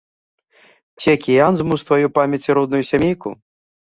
Ці акіян змыў з тваёй памяці родную сямейку?